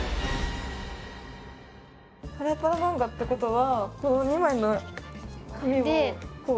パラパラ漫画ってことはこの２枚の絵を。